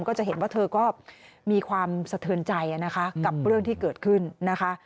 ก็จะเห็นว่าเธอก็มีความสะเทือนใจนะคะกับเรื่องที่เกิดขึ้นนะคะ